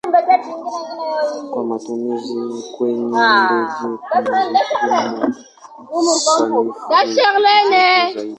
Kwa matumizi kwenye ndege kuna vipimo sanifu vidogo zaidi.